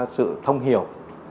sự thông hiểu